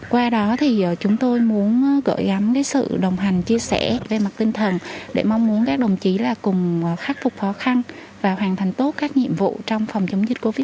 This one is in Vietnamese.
qua đó thì chúng tôi muốn gửi gắm sự đồng hành chia sẻ về mặt tinh thần để mong muốn các đồng chí là cùng khắc phục khó khăn và hoàn thành tốt các nhiệm vụ trong phòng chống dịch covid một mươi chín